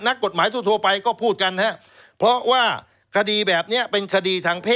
นักกฎหมายทั่วไปก็พูดกันนะครับเพราะว่าคดีแบบนี้เป็นคดีทางเพศ